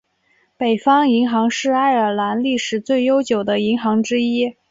北方银行是爱尔兰历史最悠久的银行之一。